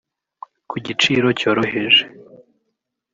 kugiciro cyoroheje